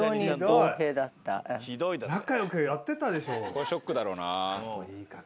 これショックだろうな。